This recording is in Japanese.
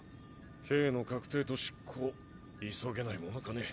刑の確定と執行急げないものかね？